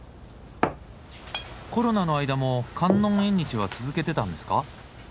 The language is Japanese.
コロナの間も観音縁日は続けてたんですか？